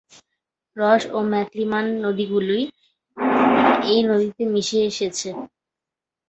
রস ও ম্যাকমিলান নদীগুলি এই নদীতে এসে মিশেছে।